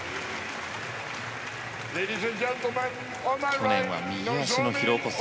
去年は右足の疲労骨折。